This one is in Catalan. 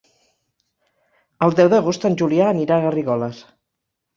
El deu d'agost en Julià anirà a Garrigoles.